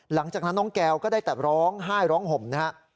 หลังจากนั้นน้องแก้วก็ได้แต่ร้องไห้ร้องห่มนะฮะ